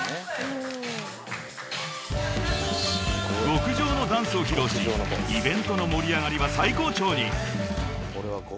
［極上のダンスを披露しイベントの盛り上がりは最高潮に］